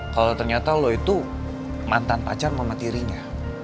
kalau ternyata lo itu mantan pacar mama tirinya